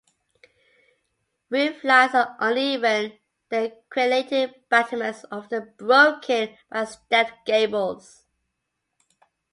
Roof lines are uneven, their crenelated battlements often broken by stepped gables.